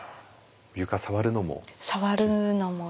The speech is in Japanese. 床触るのも？